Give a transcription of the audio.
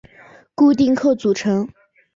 固定客组成。